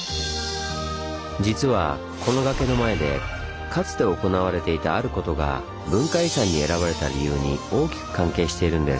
実はこの崖の前でかつて行われていたあることが文化遺産に選ばれた理由に大きく関係しているんです。